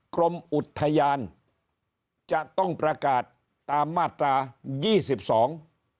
กรมอุทยานจะต้องประกาศตามมาตรายี่สิบสอง